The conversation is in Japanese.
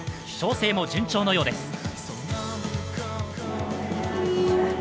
調整も順調のようです。